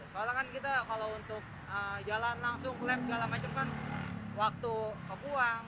soalnya kan kita kalau untuk jalan langsung klaim segala macam kan waktu kebuang